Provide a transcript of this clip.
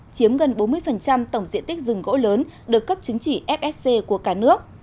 chiếm gần bốn mươi tổng diện tích rừng gỗ lớn được cấp chứng chỉ fsc của cả nước